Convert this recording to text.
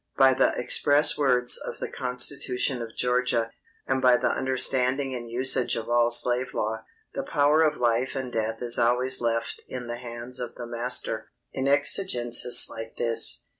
By the express words of the constitution of Georgia, and by the understanding and usage of all slave law, the power of life and death is always left in the hands of the master, in exigences like this.